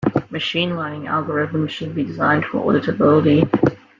Machine Learning algorithms should be designed for auditability.